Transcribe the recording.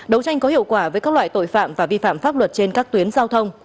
đấu tranh có hiệu quả với các loại tội phạm và vi phạm pháp luật trên các tuyến giao thông